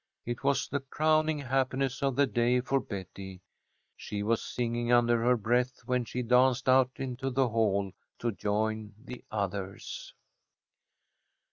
It was the crowning happiness of the day for Betty. She was singing under her breath when she danced out into the hall to join the others.